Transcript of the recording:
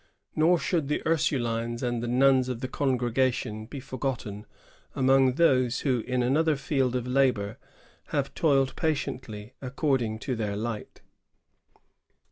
Nor should the Ursulines and the nuns of the Congregation be forgotten among those who, in another field of labor, have toiled patiently according to their light.